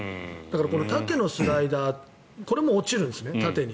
この縦のスライダーこれも落ちるんですね、縦に。